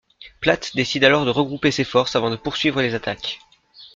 Platt décide alors de regrouper ses forces avant de poursuivre les attaques.